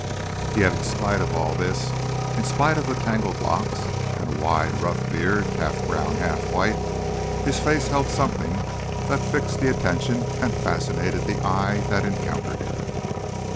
Yet, in spite of all this, in spite of tangled locks and a wide, rough beard, half brown, half white, his face held something that fixed the attention and fascinated the eye that encountered it.